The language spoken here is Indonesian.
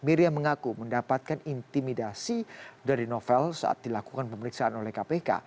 miriam mengaku mendapatkan intimidasi dari novel saat dilakukan pemeriksaan oleh kpk